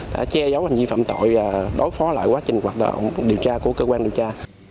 đã che giấu hành vi phạm tội và đối phó lại quá trình hoạt động điều tra của cơ quan điều tra